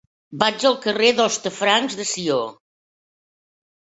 Vaig al carrer d'Hostafrancs de Sió.